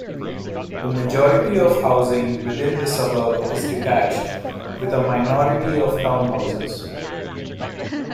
The majority of housing within the suburb is detached, with a minority of townhouses.